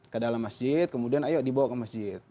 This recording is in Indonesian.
ke dalam masjid kemudian ayo dibawa ke masjid